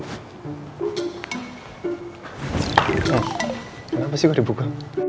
hah kenapa sih gue dibuka